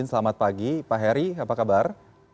selamat pagi pak heri apa kabar